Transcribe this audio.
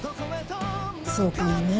そうかもね。